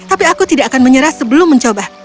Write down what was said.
tapi aku tidak akan menyerah sebelum mencoba